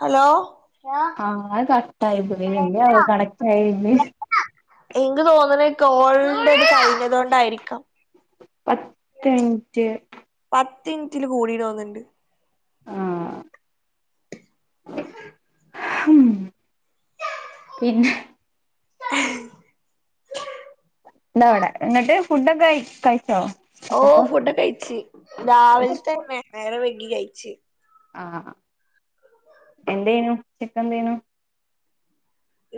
Hello ആഹ് അത് കട്ടായി പോയി [unintelligible] എനിക്കോന്നണ് കോളിന്റെ അത് കഴിഞ്ഞതോണ്ടായിരിക്കാം. പത്ത് മിനിറ്റ് പത്ത് മിനിറ്റില് കൂടി തോന്ന്ണ്ട് ആഹ് ഉം പിന്നെ ദാ അവിടെ എന്നിട്ട് ഫുഡൊക്കെ ക കഴിച്ചോ? ഓഹ് ഉച്ചത്തെ ഫുഡൊക്കെ കഴിച്ചി രാവിലത്തന്നെ നേരം വൈകി കഴിച്ച്. ആഹ് എന്തേനു ഉച്ചക്കെന്തേനു?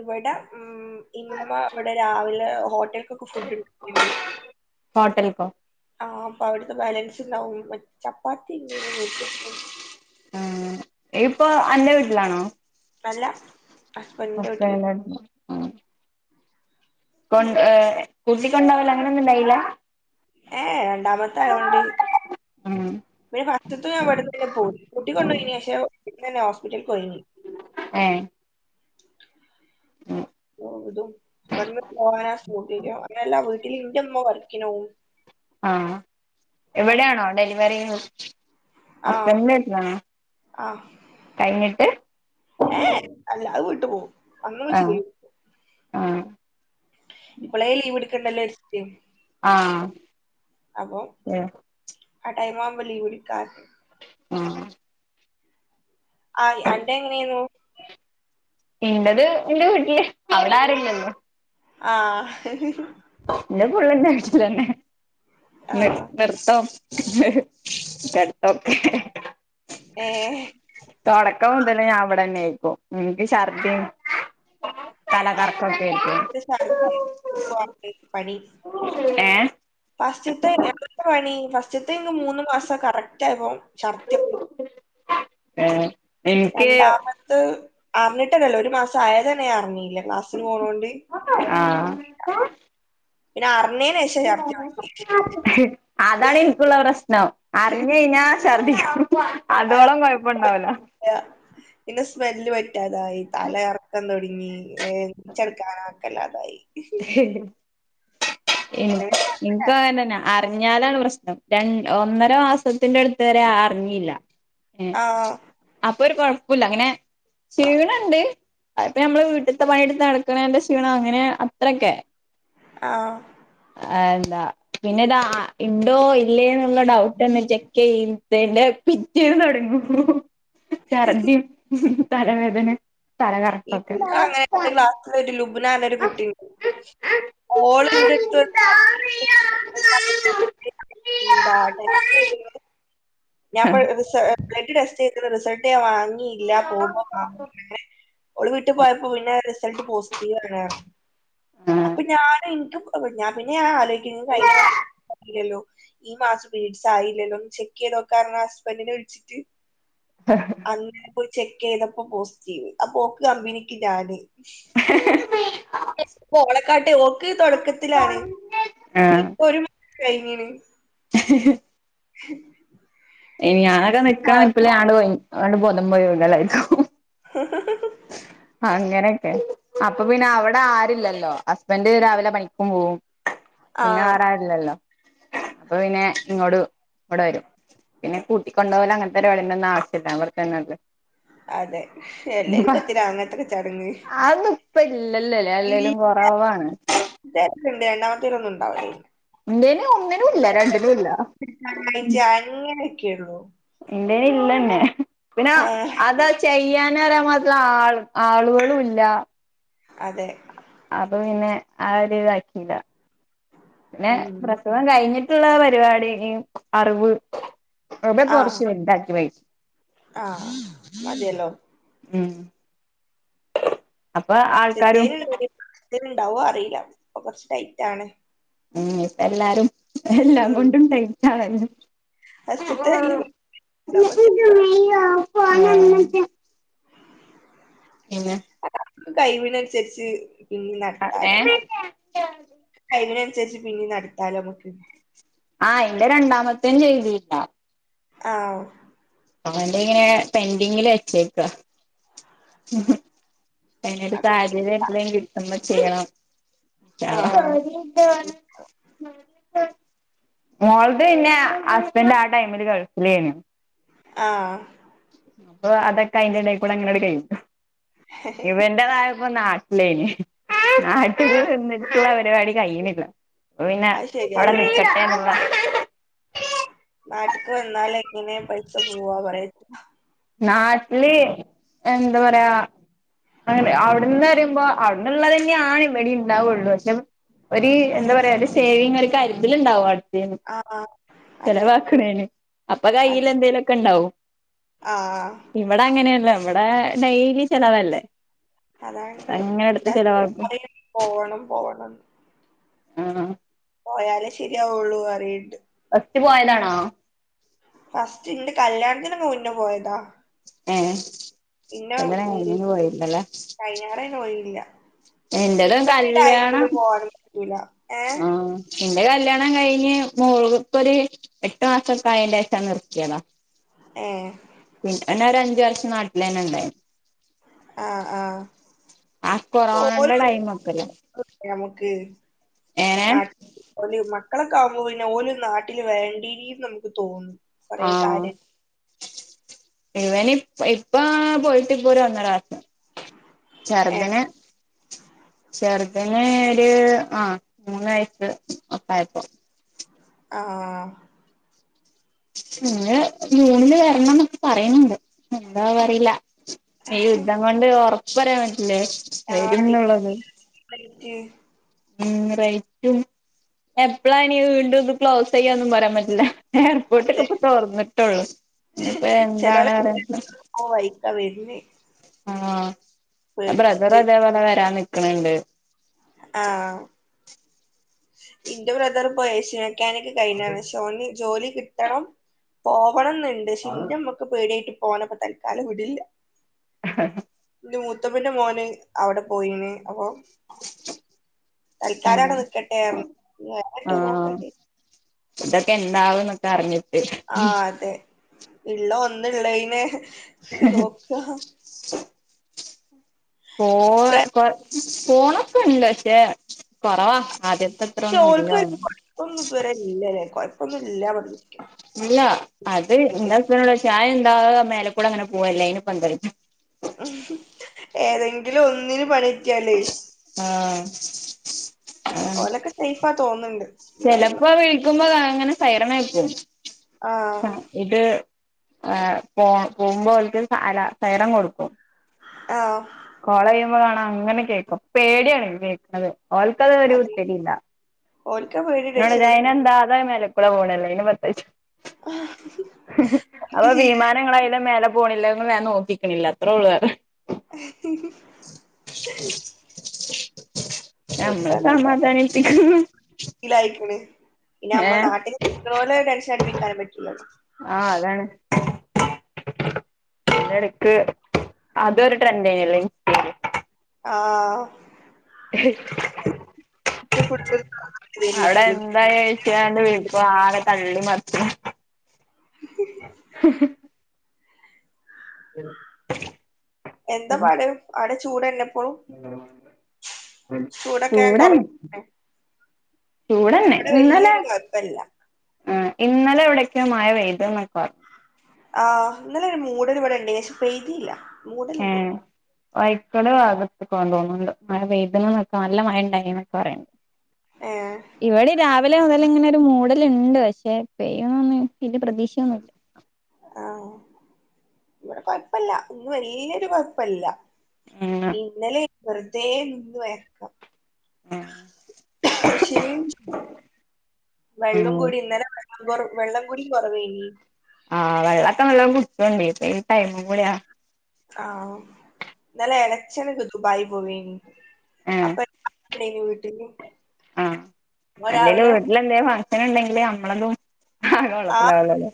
ഇവിടെ ഉം ഇമ്മ ഇവടെ രാവിലെ ഹോട്ടലി ക്കൊക്കെ ഫുഡ് [unintelligible] ഹോട്ടൽക്കോ ആഹ് അപ്പവിടുത്തെ ബാലൻസിണ്ടാവും ചപ്പാത്തി ഇണ്ടെങ്കി [unintelligible] ആഹ് ഇപ്പോ അൻ്റെ വീട്ടിലാണോ? അല്ല ഹസ്ബന്റിൻ്റെ വീട്ടില്. ഹസ്ബൻഡിന്റെ ആഹ് കൊണ്ട് ഏഹ് കൂട്ടിക്കൊണ്ടോവല് അങ്ങനെന്നും ഇണ്ടായിലാ? ഏഹ് രണ്ടാമത്തയായോണ്ട് ഉം പിന്നെ ഫസ്റ്റത്തെ ഞാൻ ഇവിടുന്നന്നെ പോയി കൂട്ടികൊണ്ടോയിനി പക്ഷേ ഇവിടുന്നന്നെ ഹോസ്പിറ്റലക്ക്‌ പോയിനി. ഏഹ് ആഹ് തും ഇവിടന്ന് പോകാനാ [unintelligible] അങ്ങനെല്ലാ വീട്ടില് ഇന്റെമ്മ വർക്കിനോവും. ആഹ് ഇവിടെയാണോ ഡെലിവറി? ആഹ് ഹസ്ബൻഡിന്റെ വീട്ടിലാണോ ആഹ് കഴിഞ്ഞിട്ട് ഏഹ് അല്ല അയ് വീട്ടുപോവും അന്ന് ആഹ് [unintelligible] ആഹ് ഇപ്പോളേ ലീവ്ടുക്കണ്ടല്ലോ വിചാരിച്ചിട്ട് ആഹ് അപ്പം ആഹ് ടൈമാവുമ്പം ലീവ്ട്ക്കാ ആഹ് ആഹ് അൻ്റെ എങ്ങനെയായിനും ഇന്റത് ഇന്റെ വിട്ടില് അവിടാരുല്ലല്ലോ ആഹ് ഇന്റെ പുള്ളന്താചിലെന്നെ നിർ ആഹ് നിർത്തം പട്ത്തം ഏഹ് തുടക്കം മൊതലേ ഞാൻ അവിടെന്നെ ഇപ്പം ഇനിക്ക് ശർദിയും തലകറകൊകായിട്ട് ആദ്യത്തെ ഏഹ് പസ്റ്റ്ത്തെ എപണി പസ്റ്റത്തെ മൂന്ന് മാസം കറക്റ്റായപ്പോ ചർദ്ധി ഏഹ് എനിക്ക് രണ്ടാമത്ത അറിഞ്ഞിട്ടല്ലല്ലോ ഒരു മാസായതന്നെ ഞാനറിഞ്ഞീല്ല്യ ക്ലാസ്സിന് പോണോണ്ട് ആഹ് അറിഞ്ഞില പിന്നെ അറിഞ്ഞേന് ശേഷം ഛർദി തുടങ്ങി അതാണ് ഇനിക്കുള്ള പ്രശ്നം അറിഞ്ഞെഴിഞ്ഞാ ഛർദിക്കും അതോളം കൊഴപ്പണ്ടാവൂല ല പിന്നെ സ്മെല്ല് പറ്റാതായി തല കറക്കം തൊടങ്ങി ഏഹ് [unintelligible] ഏഹ് ഇൻകങ്ങതന്നെ ആ അറിഞ്ഞാലാണ് പ്രശ്നം രണ്ട് ഒന്നര മാസത്തിന്റെടുത്തവരെ അറിഞ്ഞിലാ ഏഹ് ആഹ് അപ്പൊരുകൊഴപുല്ല അങ്ങനെ ക്ഷീണണ്ട് ആയിപ്പ നമ്മള് വീട്ടത്തെ പണിയെടുത്ത് നടക്കണതിന്റെ ക്ഷീണം അങ്ങനെ ഇത്രൊക്കെ ആഹ് ആഹ് എന്താ പിന്നെ ഇതാ ഇണ്ടോ ഇല്ലേയ്ന്നുള്ള ഡൗട്ടെന്നെ ചെ കയ്തെന്റെ പിറ്റേന്ന് തൊടങ്ങും ഛർദി ഉം തലവേദന തലകറക്കൊക്കെ ഇന്റെ അങ്ങനെ എന്റെ ക്ലാസ്സില് ഒരു ലൂബിന എന്ന് ആഹ് പറഞ്ഞൊരുകുട്ടിണ്ട് ഓള് ഇന്റട്ത് പറഞ്ഞ് [unintelligible] [unintelligible] ഞാൻ ഇപ്പറിസ ബ്ലഡ് ടെസ്റ്റൈത റിസൾട്ട് ഞാൻ വാങ്ങിയില്ല പോക്മ്പോ ആഹ് ഓള് വീട്ട് പോയപ്പോ പിന്നെ റിസൾട്ട് പോസിറ്റീവ് ആണ് പർഞ് അപ്പൊ ഞാനൻക്കും ഞാൻ പിന്നെ ആലോയ് കഴിഞ്ഞ മാസം ആയില്ലല്ലോ ഈ മാസം പിരിഡ്സ് ആയില്ലല്ലോന്ന് ചെക്ക് ചെയ്തോ കാരണം ഹസ്ബന്റിനെ വിളിച്ചിട്ട് [unintelligible] അന്നെനെ പോയി ചെക്ക് ചെയ്തപ്പോ പോസിറ്റീവ് അപ്പോക്ക് കമ്പനിക്ക് ഞാന് [unintelligible] അപ്പൊ [unintelligible] ഓളക്കാട്ട് ഓക്ക് തൊടക്കത്തിലാണ് ഇപ്പൊ ഒരു കൈഞ്ഞിണ് [unintelligible] ഞാനൊക്കെ നിക്കണ നിപ്പില് ആട് ബോധം പോയി വീകലായിക്കും [inaudible] അങ്ങനെയൊക്കെ അപ്പൊ പിന്നെ അവിടെ ആരുല്ലല്ലോ ഹസ്ബന്റ് രാവിലെ പണിക്കും പോവും പിന്നെ ആഹ് വേറാരുല്ലല്ലോ? അപ്പോ പിന്നെ ഇങ്ങോട്ട് ഇവ്ടെ വരും. പിന്നെ കൂട്ടിക്കണ്ടോ വലങ്ങൻത്തെ- പര്പടിന്റൊന്നാവശ്യില്ല. ഇവ്ട്തന്നെല്ലേ. അതെ എല്ലേ ഇപ്പത്തിനാ- അങ്ങൻത്തൊക്കെ ചടങ്ങ്. അഒന്നു ഇപ്പ ഇല്ലല്ലല്ലേ എല്ലെലും കൊറവാണ്. ഇതേര്ക്ക്ണ്ട് രണ്ടാമതെലൊന്നും ഉണ്ടാവുലെനു. ന്തേനും ഒന്നിനും ഇല്ല, രണ്ടിനും ഇല്ല. ങ്ങനൊക്കെയുള്ളു. എന്റെല് ഇല്ലന്നെ, പിന്ന ആഹ് അത. ചെയ്യാനറിയൻ മാത്രം ആ- ആളുകളുംല്ല. അതെ. അപ്പോ പിന്നെ ആ ഒരു- ഇതാക്കിയില്ല പിന്നെ ഉം പ്രസ- ഗം കഴിഞ്ഞിട്ട്ള്ള പരിപാടി ഇ- അറിവ് കൊർച്ച് ഇണ്ടാക്കി വച്ചു. ആഹ അതെയല്ലോ. ഉം. അപ്പോ ആൾക്കാരും. ഇതന്നെ ഉണ്ടാവോ അറിയില്ല, ഇപ്പോ കൊർച്ച് ടൈറ്റാണ്. ഉം ഇപ്പെല്ലാരും എല്ലാം ഉം കൊണ്ടും ടൈറ്റാണെല്ലോ. ആഹാ ഫസ്റ്റ്ത്തെ ആഹാ. പിന്നെ. അ കൈവിനനുസരിച്ച് പിന്നെ, [unintelligible] കൈവിനനുസരിച്ച് പിന്നെ നടത്താലോ അമ്മക്ക്. ആഹ് ഇന്റെ രണ്ടാമതേം ചെയ്തീല്ല. ആഹ്. അന്റെ ഇങ്ങനെ പെന്ഡിങ്ങില് വച്ചേക്ക. അയ്നൊരു അത് സാഹച്യര്യം എപ്പളെലും കിട്ടുമ്പ ചെയ്യണം, ഇന്ഷാ ആഹ് അള്ളഹ്. മോളത് പിന്നെ ഹസ്ബൻഡ് ആ ടൈമില് ഗൾഫിലെനു. ആഹാ അപ്പോ അതൊക്കെ അയിന്റെ- എടേക്കൂടെ അങ്ങടങ്ങ് കയ്ഞ്ഞു ഇവരും. എതായപ്പോ നാട്ടിലേന് നാട്ടില്- ആഹ് വന്നിട്ടുള്ള പരിപാടി കഴിയിണില്ല. പിന്നെ അത് അവിടെ ശരിയാല്ലേ നിക്കട്ടേന്നുള്ള. നാട്ട്ക്ക് വന്നാല എങ്ങനെയെ- പൈസ പോവാ പറയ പറ്റൂല. നാട്ടില് എന്താ പറയാ. അങ്ങനെ അവിടുന്ന് പറയുമ്പോ- അവിടുന്നുള്ളതെന്നെയാണ്. ഇബ്ടേം ഇണ്ടാവുള്ളു പക്ഷെ, ഒര് എന്താ പറയാ ഒരു സേവിങ് ഒര് കര്തല്ണ്ടാവു ആടെ ആഹ് അതെ ചെലവാക്കണേന് അപ്പ കയ്ൽ എന്തേലുംക്കെ ഉണ്ടാകും. ആഹ് ആഹ്, ഇവിടെ അങ്ങനെയല്ല ഇവിടെ ഡെയ്ലി ചെലവല്ലേ, അതാണ് അങ്ങനെ എടുത്ത് എന്താ ചെലവാക്കും പോകണം, പോകണം. ആഹ്, പോയാലേ ശരിയാവുള്ളൂ അറിയ്ണ്ട്, ഫസ്റ്റ് പോയതാണാ? ഫസ്റ്റ് ഇന്റെ കല്യാണത്തിന് മുന്നെ പോയതാ. ഏഹ്, കല്യാണം കഴിഞ്ഞെങ്ങും പോയില്ലലേ? കയഞ്ഞാറേ പോയില്ല. എന്റെതും ഇപ്പത്തെ ഈ കല്യാണം ടൈമില് പോവാനും പറ്റൂല ഏഹ് ആഹ്, എന്റെ കല്ല്യാണം കഴിഞ്ഞ് മു- ഇപ്പൊരു എട്ടു മാസംക്കെ, അയിന്റെശ നിർത്തിയത. ഏഹ്, പിന്നെ ഓന ഒരു അഞ്ചു വർഷം- നാട്ടിൽ തന്നെ ഉണ്ടായിരുന്നു. ആഹ്, ആഹ്. ആ ഓല് കൊറോണന്റെ ടൈം ഒക്കെല്ലേ നമുക്ക് ഏനെ നാട് ഓല് മക്കളൊക്കെ ആവുമ്പോ പിന്നെ ഓല് നാട്ടില് വേണ്ടീ നമുക്ക് തോന്നും, കൊറേ ആഹ്, കാര്യം ഇവനിപ്പ ഇപ്പ പോയിട്ട് ഇപ്പോ ഒരു ഒന്നരാസ ഏഹ് ചർതനെ, ചർതിന് ഒരു ആഹ് മൂന്ന് വയസ് ഒക്കായപ്പോ, ആഹ്, ഇങ് ജൂണില് വരണം എന്നൊക്കെ പറയുന്നുണ്ട് എന്താവോ അറിയില, ഈ യുദ്ധം കൊണ്ട് ഒറപ്പ് പറയാൻ പറ്റില്ലെ, ആഹ് [unintelligible] ഉം, റൈറ്റും എപ്പളാണീ വീണ്ടുംത് ക്ലോസ്യ്യാ ഒന്നും പറയാൻ പറ്റില്ല, എയർപോർട്ടൊക്കെ അതെ ഇപ്പ തോറന്നിട്ടുള്ളൂ എനി ഇപ്പൊ എന്താണ് റയാറ്റില്ല, ഓഹ് വയ്ക്ക വെര്ന്ന്‌, ആഹ് ബ്രദറ അതേപോലെ വരാ നിക്കണണ്ട്, ആഹ്, ഇന്റെ ബ്രദർ പ്പോ ഏഷ്യ മെക്കാനിക് കഴഞ്ഞാണ് ക്ഷെ ഓന് ജോലി കിട് ത്തണം പോവണന്ന്ണ്ട് ക്ഷെ ൻ്റമ്മക്ക് പേടിയായിട്ട് പ്പോനപ്പോ തൽക്കാലം വിടില്ല, അഹ് ഇന്റെ മൂത്തമ്മന്റെ മോന് അവിടെ പോയിന് അപൊ ഉം തല്കാലാടെ നിക്കട്ടെർഞ്ഞ്, വേറെടേം ആഹ് നോക്കണ്ടി, ഇതൊക്കെ എന്താവൂന്നൊക്കെറിഞ്ഞി ആഹ് അതെ, ഇള്ള ഒന്ന്ള്ളെയ്നെ നോക്കാ, പോ ബ്ര കൊ പോണൊക്കെണ്ട് പക്ഷേ കൊറവാ ആദ്യത്തെ, ക്ഷേ അത്രൊന്നും ഇല്ല ഓൽക്കൊരു തോന്നുന്നു കൊഴപ്പൊന്നും ഇതുവരെ ല്ലേ കുഴപ്പൊന്നും ഇല്ല പ ഇല്ല, അത് ഇ [unintelligible] ഷായം എന്താ മേലെ കൂടി അങ്ങെനെ പോവല്ലേ അയ്ന്പ്പെന്താ ചോയിച് ഏതെങ്കിലു ഒന്നിന് പണിട്ട്യാലേ, ആഹ്, ആഹ് ഓലൊക്കെ സേഫാ തോന്നുന്നുണ്ട്, ദുബായിള്ള ചെലപ്പോ വിളിക്കുമ്പോ അങ്ങനെ സൈറം മൊയക്കും, ആഹ് അഹ് ഇത് പോ പോകുമ്പോ ഓൽക്ക് അല സൈറം കൊടുക്കും, ആഹ്, കോളെയ്യുമ്പോ കാണാ അങ്ങനെ കേക്കു പേടിയാണ് കേക്കുന്നത് ഓൽക്കത് ഒരു കുത്തരി ഇല്ല, ഓൽക്ക പേ ങ്ങളെ ജൈനന്താ അത മേല, പ്പ ളൊണല്ലേ പിന്നെ പത്യെകിച്ച് ഓൽക്ക് അപ്പേ ശീല വിമാനങ്ങളായാലു മേലേ പോണില്ല വേഗം നോക്കിക്ണില്ല അത്ര ഉള്ളു വേറെ [inaudible] നമ്മള സമാധാനിപ്പിക്കു ലായിക്ക് ണ് പിന്നെ നമ്മൾ ഏഹ് നാട്ടില്ക്ക് ണോല് ത്ര ടെൻഷൻ അടുപ്പിക്കാൻ പ ആഹ് അതാണ് തിനിടക്ക് അതൊരു ട്രെൻഡെനല്ലോൻക്ക് ആഹ് [inaudible] ഇ ഫു [unintelligible] അതായ കഴിച്ചണ്ട് വിളിക്കു ആടെ തള്ളി മറിച് [inaudible] ഉം എന്താ പാട് ആടെ ചൂട്ന്നെ ചൂടൊക്കെ കൊറ ചൂടന്നെ ഇന്ന് ചൂടന്നെ ഇവിടെ ഇന്നല വല്യൊരു കൊഴപ്പല്ല ആ ഇന്നലെവിടെക്യോ മഴ പെയ്ത് ന്നൊക്കെ പർഞ് ആഹ്‌ ഇന്നലൊരു മൂടല് പോലെണ്ടേനി പക്ഷേ പെയ്തീല്ല ഏഹ് മൂടല്ണ്ടേനി വൈക്കടെ ഭാഗത്ത് കൊണ്ടു പോന്നുണ്ട് മഴ വെയദ [unintelligible] നിക്കാ നല്ല മഴ ഉണ്ടായി എന്നൊക്കെ പറയണ്ട് ഏഹ് ഇവിടിം രാവിലെ മുതല്ങ്ങനൊരു മൂട ല്ണ്ട്. പക്ഷെ പെയ്യന്നൊന്നും വല്യ പ്രതീക്ഷയൊന്നുല്ല ആഹ്‌ വടെ കൊഴപ്പല്ല ഇന്ന് വെൽയൊരു കൊഴപ്പല്ല ഉം ഇന്നലെ വെറുതേ നിന്നു വയർക്ക ഉം ക്ഷേ വെള്ളും ഉം കൂടി ഇന്നല വെള്ളം കുടിം കൊറവേനി ആഹ് വെള്ളക്ക നല്ലോം കുട്ചോണ്ടി പ്പഈ ടൈമും കൂട്യാ ആഹ്‌ ന്നലെ എളച്ചനക്ക് ദുബായ് പോവേനി അപ്പൊ [unintelligible] വീട്ടില് ആഹ്‌ ഓൻ അല്ലെലു രാവിലെ വീട്ടിലന്തേ ഫങ്ശന്ണ്ടെങ്കില് നമ്മലെതും ആ വള്ളത്തിലാ ആഹ് വല്ലല്ലേ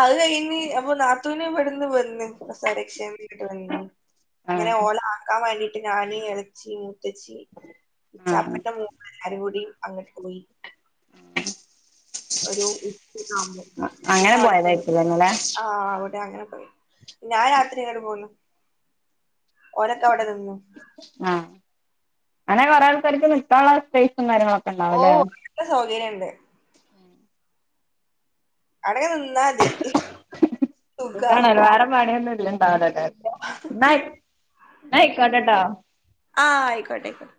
അത് കയ്ഞ് അപ്പൊ നാത്തൂന്ബട്ന്ന് വന്ന് പ്രസരക്ഷേന്ന് ങ്ങട്ട് വന്നീനി. അങ്ങനെ ആഹ് ഓള ആക്കാൻ വേണ്ടിട്ട് ഞാനും എളച്ചിയും മൂത്തച്ചി, ആഹ് ഇച്ചാപ്പന്റെ മോള് എല്ലാരും കൂടി അങ്ങട്ട് പോയി ഒരു ഉച്ചക്കാവുമ്പും പിന്നെ അങ്ങനെ അവിടുത്തെ പോയതായിരിക്കുംല്ലേ ഇന്നലെ ആഹ് അവടെ, അങ്ങനെ പോയി ഞാൻ രാത്രി ങ്ങട്ട് പോന്നു ഓലൊക്കവിടെ നിന്ന് ആഹ്‌ അങ്ങനെ കൊറേ ആൾക്കാർക്ക് നിക്കാള്ള സ്പേസും കാര്യങ്ങളൊക്കെണ്ടാവുംല്ലേ ല്ല സൗകര്യണ്ട് അടകെ നിന്നാ മതി സുഖാ സുഗാണല്ലോ, വേറെ പണിയൊന്നുല്ല ടാടടാ ന്നായി ന്നായിക്കടാട ആഹ്‌ ഐക്കോട്ടെ ഐക്കോട്ടെ